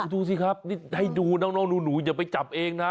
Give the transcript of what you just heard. ดูสิครับนี่ให้ดูน้องหนูอย่าไปจับเองนะ